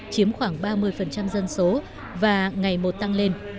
chiếm khoảng ba mươi dân số và ngày một tăng lên